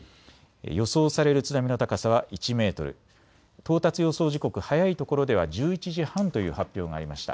予想される津波の高さは１メートル、到達予想時刻、早いところでは１１時半という発表がありました。